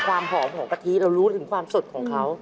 ความหอมของกะทิเรารู้ถึงความสดของเขา